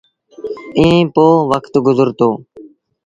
ايٚئيٚن پيو وکت گزرتو۔